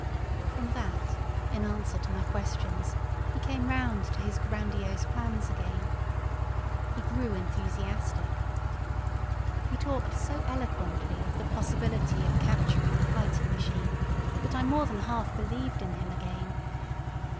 From that, in answer to my questions, he came round to his grandiose plans again. He grew enthusiastic. He talked so eloquently of the possibility of capturing a fighting machine that I more than half believed in him again.